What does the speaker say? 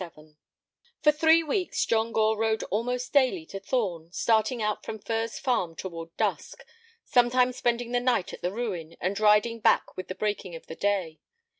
XLVII For three weeks John Gore rode almost daily to Thorn, starting out from Furze Farm toward dusk, sometimes spending the night at the ruin and riding back with the breaking of the day.